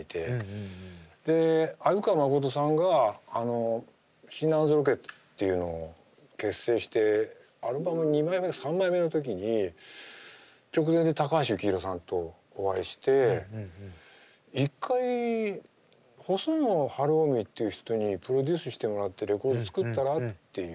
で鮎川誠さんがシーナ＆ロケッツっていうのを結成してアルバム２枚目か３枚目の時に直前に高橋幸宏さんとお会いして一回細野晴臣っていう人にプロデュースしてもらってレコード作ったらっていう。